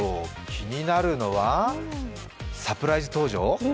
気になるのは、サプライズ登場。